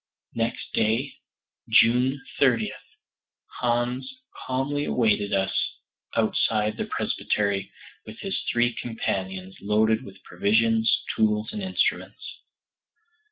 Next day, June 23d, Hans calmly awaited us outside the presbytery with his three companions loaded with provisions, tools, and instruments.